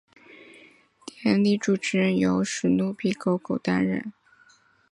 典礼主持人由史奴比狗狗担任。